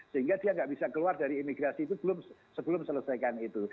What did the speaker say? sehingga dia nggak bisa keluar dari imigrasi itu sebelum selesaikan itu